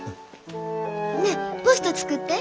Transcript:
ねっポスト作って。